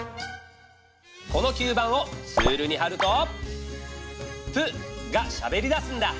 この吸盤をツールにはると「プ」がしゃべりだすんだ。